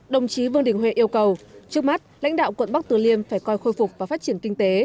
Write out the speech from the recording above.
đồng chí vương đình huệ yêu cầu trước mắt lãnh đạo quận bắc từ liêm phải coi khôi phục và phát triển kinh tế